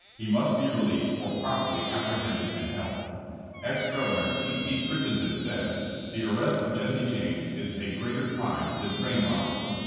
He must be released or properly apprehended and held. *' Ex Governor T. T. Crittenden said: 'The ar rest of Jesse James is a greater crime than train robbery.